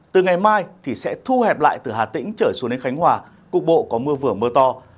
từ ngày mai sẽ thu hẹp lại từ hà tĩnh trở xuống đến khánh hòa cục bộ có mưa vừa mưa to